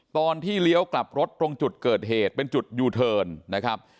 เลี้ยวกลับรถตรงจุดเกิดเหตุเป็นจุดยูเทิร์นนะครับ